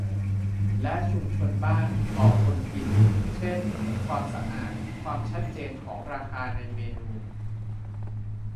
และชุมชนบ้าง ต่อคนกินเช่น ความสะอาด ความชัดเจนของราคาในเมนู